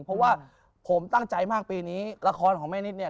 เพราะว่าผมตั้งใจมากปีนี้ละครของแม่นิดเนี่ย